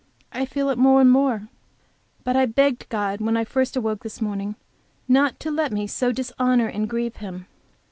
I feel it more and more. But I begged God when I first awoke this morning not to let me so dishonor and grieve Him.